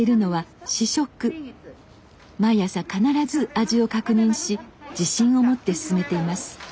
毎朝必ず味を確認し自信を持って勧めています。